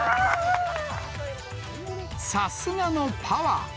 さすがのパワー。